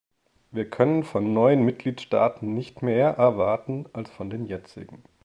Wir können von neuen Mitgliedstaaten nicht mehr erwarten als von den jetzigen.